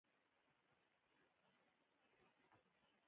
سانتیاګو له فاطمې سره مینه پیدا کوي.